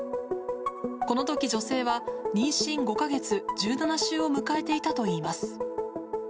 このとき、女性は妊娠５か月・１７週を迎えていたといいます。